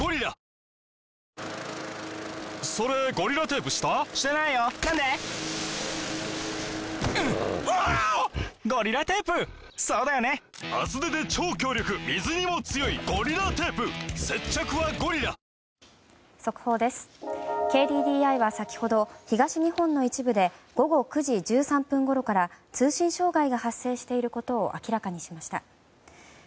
ＫＤＤＩは先ほど東日本の一部で午後９時１３分ごろから通信障害が発生していることを明らかにしました。